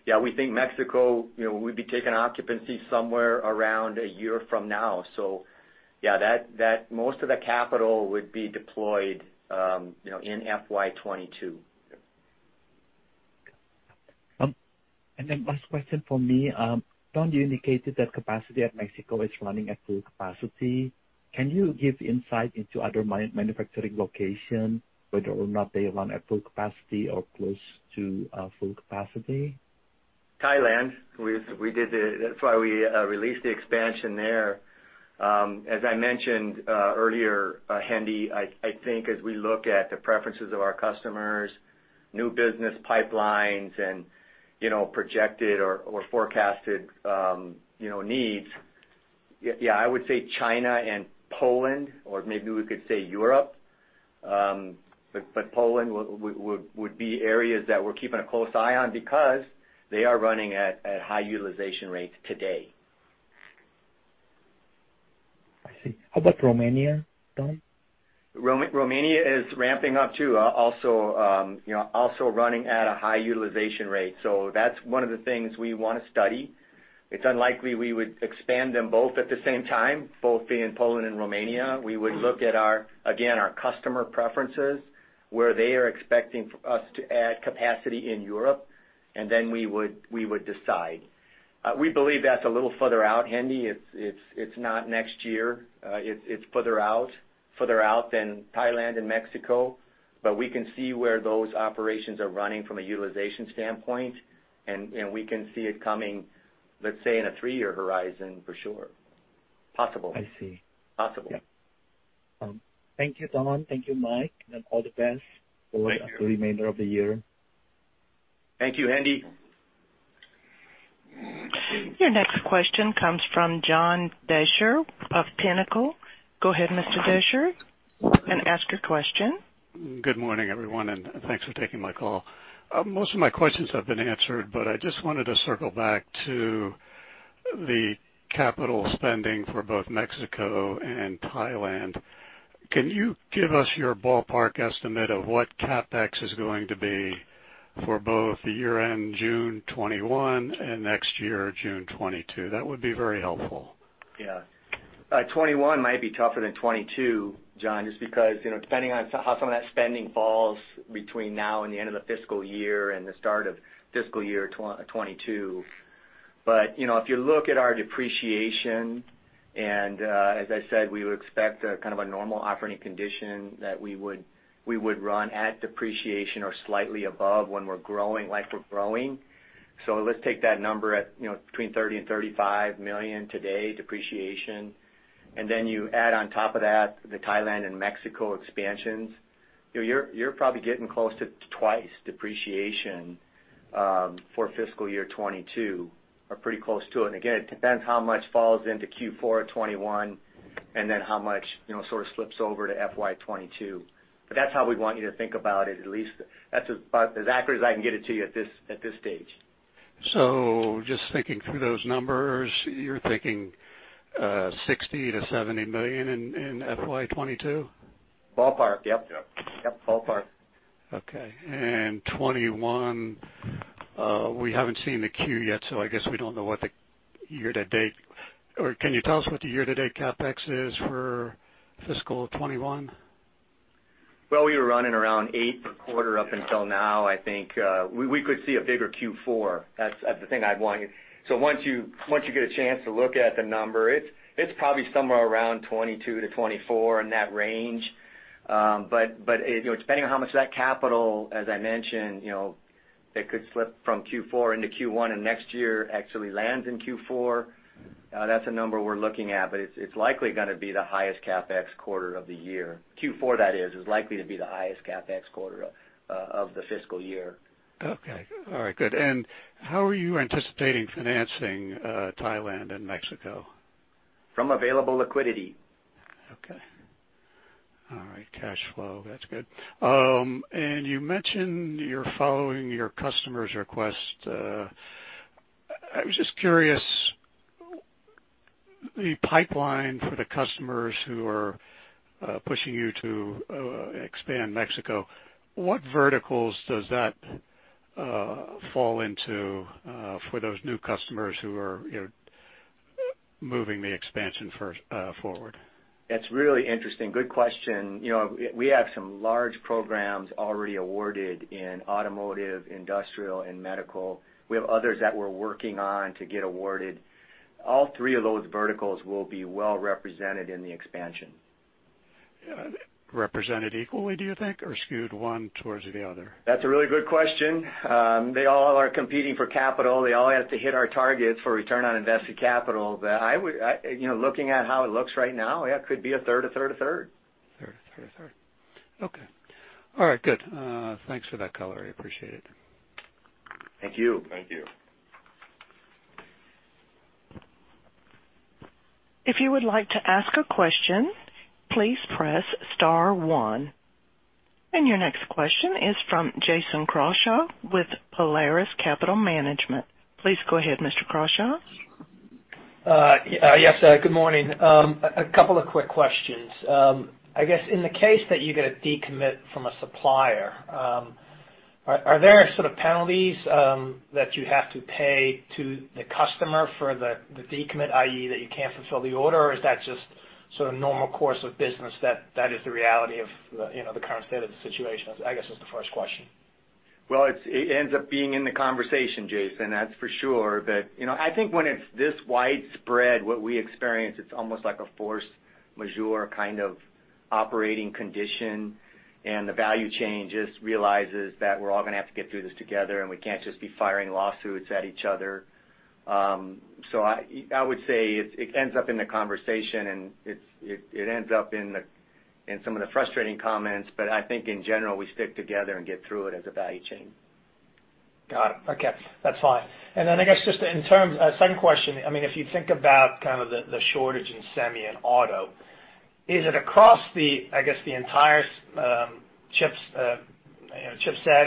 Yeah, we think Mexico, we'd be taking occupancy somewhere around a year from now. Yeah, most of the capital would be deployed in FY 2022. Last question from me. Don, you indicated that capacity at Mexico is running at full capacity. Can you give insight into other manufacturing location, whether or not they run at full capacity or close to full capacity? Thailand. That's why we released the expansion there. As I mentioned earlier, Hendi, I think as we look at the preferences of our customers, new business pipelines, and projected or forecasted needs, yeah, I would say China and Poland, or maybe we could say Europe. Poland would be areas that we're keeping a close eye on because they are running at high utilization rates today. I see. How about Romania, Don? Romania is ramping up too. Also running at a high utilization rate. That's one of the things we want to study. It's unlikely we would expand them both at the same time, both being Poland and Romania. We would look at, again, our customer preferences, where they are expecting us to add capacity in Europe, and then we would decide. We believe that's a little further out, Hendi. It's not next year. It's further out than Thailand and Mexico, but we can see where those operations are running from a utilization standpoint, and we can see it coming, let's say, in a three-year horizon for sure. Possible. I see. Possible. Yeah. Thank you, Don. Thank you, Mike. Thank you. For the remainder of the year. Thank you, Hendi. Your next question comes from John Deysher of Pinnacle. Go ahead, Mr. Deysher, and ask your question. Good morning, everyone. Thanks for taking my call. Most of my questions have been answered, but I just wanted to circle back to the capital spending for both Mexico and Thailand. Can you give us your ballpark estimate of what CapEx is going to be for both the year-end June 2021 and next year, June 2022? That would be very helpful. 21 might be tougher than 22, John, just because depending on how some of that spending falls between now and the end of the FY and the start of FY 2022. If you look at our depreciation, and as I said, we would expect a kind of a normal operating condition that we would run at depreciation or slightly above when we're growing like we're growing. Let's take that number at between $30 million and $35 million today depreciation, and then you add on top of that the Thailand and Mexico expansions. You're probably getting close to twice depreciation for FY 2022 or pretty close to it. Again, it depends how much falls into Q4 of 2021 and then how much sort of slips over to FY 2022. That's how we want you to think about it. At least that's about as accurate as I can get it to you at this stage. Just thinking through those numbers, you're thinking $60 million-$70 million in FY 2022? Ballpark. Yes. Yep, ballpark. Okay. 2021, we haven't seen the Q yet. Can you tell us what the year-to-date CapEx is for fiscal 2021? We were running around eight per quarter up until now. I think we could see a bigger Q4. Once you get a chance to look at the number, it's probably somewhere around 22 to 24, in that range. Depending on how much of that capital, as I mentioned, it could slip from Q4 into Q1 and next year actually lands in Q4. That's a number we're looking at, but it's likely gonna be the highest CapEx quarter of the year. Q4, that is likely to be the highest CapEx quarter of the FY. Okay. All right, good. How are you anticipating financing Thailand and Mexico? From available liquidity. Okay. All right. Cash flow, that's good. You mentioned you're following your customer's request. I was just curious, the pipeline for the customers who are pushing you to expand Mexico, what verticals does that fall into for those new customers who are moving the expansion forward? That's really interesting. Good question. We have some large programs already awarded in automotive, industrial, and medical. We have others that we're working on to get awarded. All three of those verticals will be well-represented in the expansion. Represented equally, do you think, or skewed one towards the other? That's a really good question. They all are competing for capital. They all have to hit our targets for return on invested capital. Looking at how it looks right now, it could be a third, a third, a third. A third. Okay. All right, good. Thanks for that color. I appreciate it. Thank you. Thank you. If you would like to ask a question, please press star one. Your next question is from Jason Crawshaw with Polaris Capital Management. Please go ahead, Mr. Crawshaw. Yes. Good morning. A couple of quick questions. I guess in the case that you get a decommit from a supplier, are there sort of penalties that you have to pay to the customer for the decommit, i.e., that you can't fulfill the order, or is that just sort of normal course of business, that is the reality of the current state of the situation, I guess is the first question. Well, it ends up being in the conversation, Jason, that's for sure. I think when it's this widespread, what we experience, it's almost like a force majeure kind of operating condition, and the value chain just realizes that we're all gonna have to get through this together, and we can't just be firing lawsuits at each other. I would say it ends up in the conversation, and it ends up in some of the frustrating comments, but I think in general, we stick together and get through it as a value chain. Got it. Okay. That's fine. I guess just in terms, second question, if you think about the shortage in semi and auto, is it across the entire chipset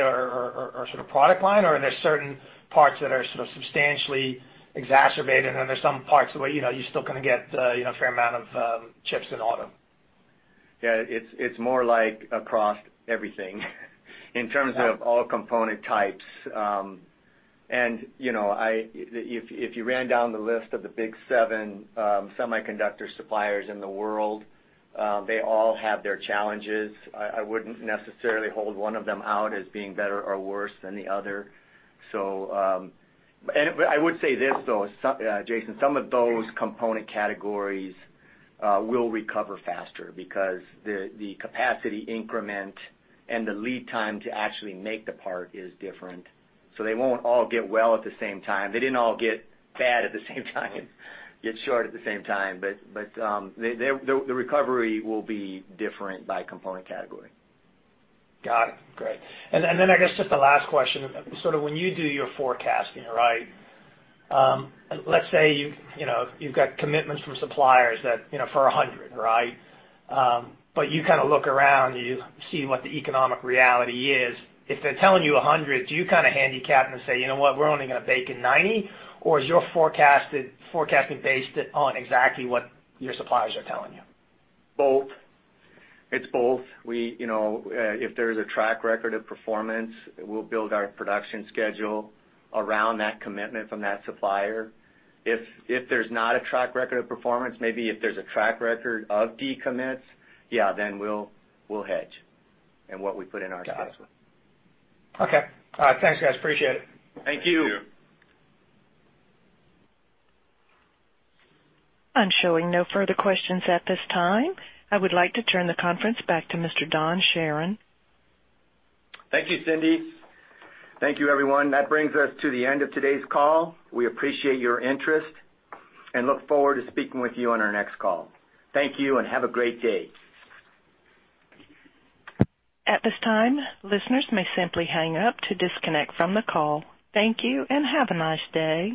or sort of product line, or are there certain parts that are sort of substantially exacerbated, and there's some parts where you're still gonna get a fair amount of chips in auto? Yeah, it's more like across everything in terms of all component types. If you ran down the list of the big seven semiconductor suppliers in the world, they all have their challenges. I wouldn't necessarily hold one of them out as being better or worse than the other. I would say this, though, Jason, some of those component categories will recover faster because the capacity increment and the lead time to actually make the part is different. They won't all get well at the same time. They didn't all get bad at the same time and get short at the same time. The recovery will be different by component category. Got it. Great. I guess just the last question, sort of when you do your forecasting, let's say you've got commitments from suppliers for 100. You kind of look around, you see what the economic reality is. If they're telling you 100, do you kind of handicap and say, "You know what, we're only gonna bake in 90," or is your forecasting based on exactly what your suppliers are telling you? Both. It's both. If there's a track record of performance, we'll build our production schedule around that commitment from that supplier. If there's not a track record of performance, maybe if there's a track record of decommits, yeah, then we'll hedge in what we put in our schedule. Got it. Okay. All right, thanks, guys. Appreciate it. Thank you. Thank you. I'm showing no further questions at this time. I would like to turn the conference back to Mr. Don Charron. Thank you, Cindy. Thank you, everyone. That brings us to the end of today's call. We appreciate your interest and look forward to speaking with you on our next call. Thank you and have a great day. At this time, listeners may simply hang up to disconnect from the call. Thank you and have a nice day.